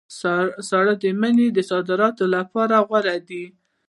سرې مڼې د صادرولو لپاره غوره دي.